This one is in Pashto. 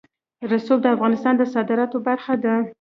رسوب د افغانستان د صادراتو برخه ده.